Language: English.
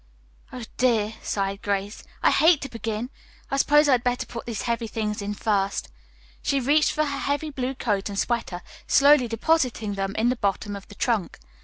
"Oh, dear," sighed Grace, "I hate to begin. I suppose I had better put these heavy things in first." She reached for her heavy blue coat and sweater, slowly depositing them in the bottom of the trunk.